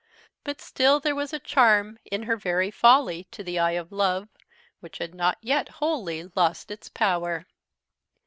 But still there was a charm in her very folly, to the eye of love, which had not yet wholly lost its power.